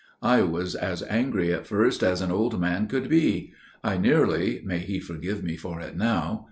"I was as angry at first as an old man could be. I nearly (may He forgive me for it now!)